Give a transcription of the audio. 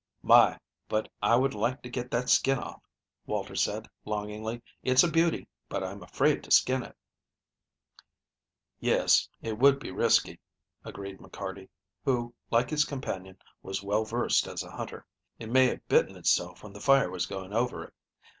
"My, but I would like to get that skin off," Walter said, longingly. "It's a beauty, but I'm afraid to skin it." "Yes, it would be risky," agreed McCarty, who, like his companion, was well versed as a hunter. "It may have bitten itself when the fire was going over it.